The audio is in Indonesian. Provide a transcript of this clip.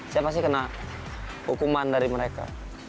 saya pasti kena hukuman dari mereka